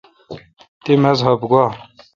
تی مذہب گوا؟